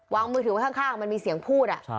มือถือไว้ข้างมันมีเสียงพูด